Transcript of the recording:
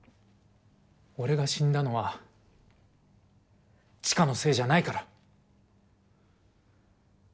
俺が死んだのは千佳のせいじゃないから。